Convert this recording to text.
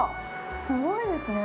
すごいですね。